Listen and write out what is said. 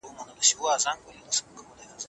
لاسونه باید په صابون او اوبو پریمنځل شي.